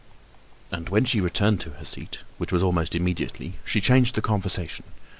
And when she returned to her seat, which was almost immediately, she changed the conversation.